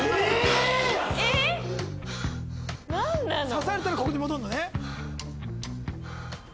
刺されたらここに戻るのね。